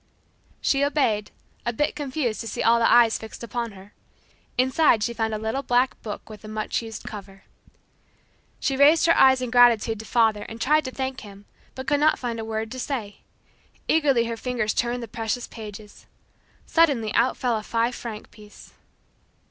She obeyed, a bit confused to see all eyes fixed upon her. Inside she found a little black book with a much used cover. She raised her eyes in gratitude to father and tried to thank him, but could not find a word to say. Eagerly her fingers turned the precious pages. Suddenly out fell a five franc piece.